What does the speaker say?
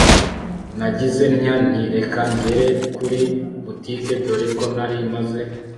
nagize ntya nti reka ngere kuri boutique dore ko nari maze